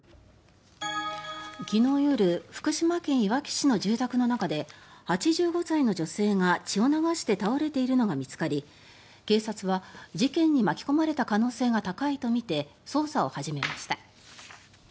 昨日夜福島県いわき市の住宅の中で８５歳の女性が血を流して倒れているのが見つかり警察は事件に巻き込まれた可能性が高いとみて捜査を始めました。